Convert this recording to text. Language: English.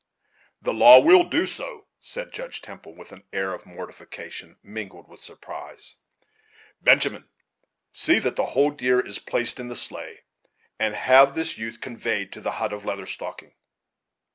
"The law will do so," said Judge Temple, with an air of mortification mingled with surprise. "Benjamin, see that the whole deer is placed in the sleigh; and have this youth conveyed to the hut of Leather Stocking.